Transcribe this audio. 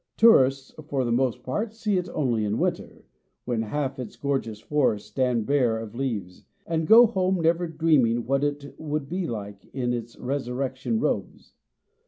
Tourists, for the most part, see it only in winter, when half its gorgeous forests stand bare of leaves, and go home, never dreaming what it would be like in its resurrection robes.